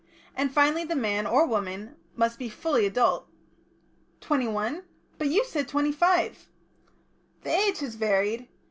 And finally the man or woman must be fully adult." "Twenty one? But you said twenty five!" "The age has varied.